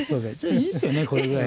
「いいっすよねこれぐらい」。